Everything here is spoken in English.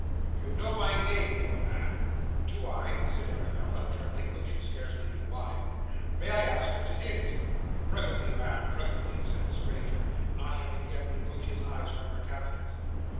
You know my name, though, ma'am.' 'Do I?' said Arabella, trembling, though she scarcely knew why. 'May I ask what it is?' 'Presently, ma'am, presently,' said the stranger, not having yet removed his eyes from her countenance.